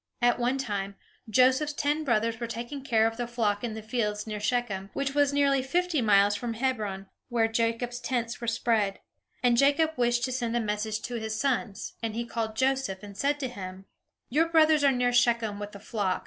At one time, Joseph's ten brothers were taking care of the flock in the fields near Shechem, which was nearly fifty miles from Hebron, where Jacob's tents were spread. And Jacob wished to send a message to his sons, and he called Joseph, and said to him: "Your brothers are near Shechem with the flock.